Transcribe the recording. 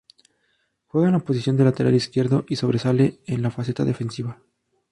Juega en la posición de lateral izquierdo y sobresale en la faceta defensiva.